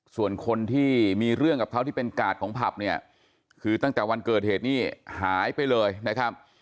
ส่วนคนที่มีเรื่องกับเขาที่เป็นกาดของผับเนี่ยคือตั้งแต่วันเกิดเหตุนี่หายไปเลยนะครับ